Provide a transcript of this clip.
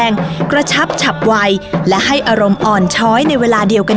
คุณผู้ชมอยู่กับดิฉันใบตองราชนุกูลที่จังหวัดสงคลาค่ะ